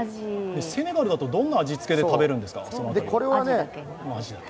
セネガルだと、どんな味付けで食べるんですか？